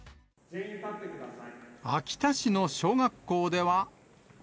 秋田市の小学校では。